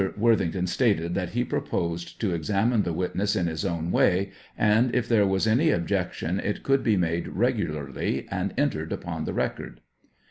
Worthington stated that he proposed to ex amine the witness in his own way, and if there was any objection it could be made regularly, and entered upon the record.